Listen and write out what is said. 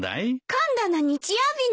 今度の日曜日なの。